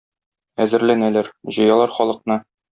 Әзерләнәләр, җыялар халыкны.